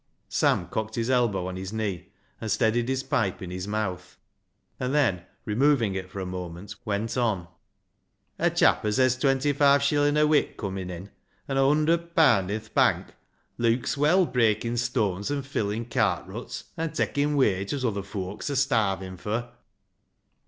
Sam cocked his elbow on his knee and steadied his pipe in his mouth, and then, removing it for a moment, went on —" A chap as hez twenty five shilHn' a wik comin' in, an' a hunderd paand i' th' bank, leuks well breiking stooans an' fillin' cart ruts, and takkin' wage as other foaks are starvin' fur."